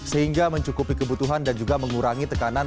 sehingga mencukupi kebutuhan dan juga mengurangi tekanan